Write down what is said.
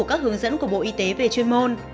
các hướng dẫn của bộ y tế về chuyên môn